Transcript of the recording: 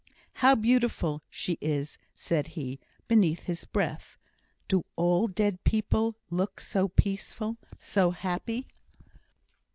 "How beautiful she is!" said he, beneath his breath. "Do all dead people look so peaceful so happy?"